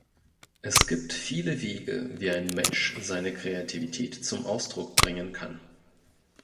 Es gibt viele Wege, wie ein Mensch seine Kreativität zum Ausdruck bringen kann.